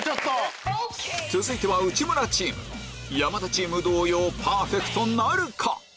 続いては内村チーム山田チーム同様パーフェクトなるか？